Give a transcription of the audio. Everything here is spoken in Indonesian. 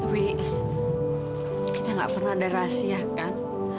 wi kita nggak pernah ada rahasia kan